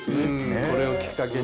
これをきっかけに。